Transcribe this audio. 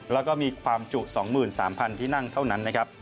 แล้วก็มีความจุ๒๓๐๐ที่นั่งเท่านั้นนะครับ